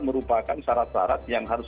merupakan syarat syarat yang harus